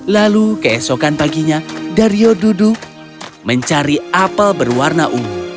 lalu keesokan paginya daryo duduk mencari apel berwarna ungu